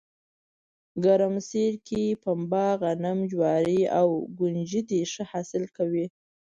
ګرمسیر کې پنه، غنم، جواري او ُکنجدي ښه حاصل کوي